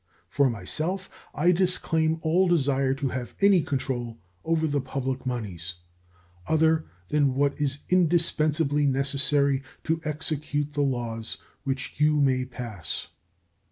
For myself, I disclaim all desire to have any control over the public moneys other than what is indispensably necessary to execute the laws which you may pass.